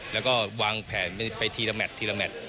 แล้วก็วางแผนไปทีละแมททีละแมท